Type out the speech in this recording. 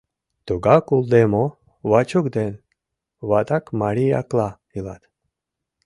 — Тугак улде мо, Вачук ден ватак-мариякла илат.